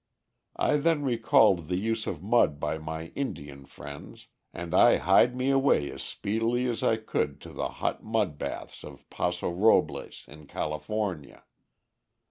I then recalled the use of mud by my Indian friends, and I hied me away as speedily as I could to the hot mud baths of Paso Robles, in California.